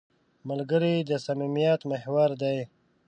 ملګری د صمیمیت محور دی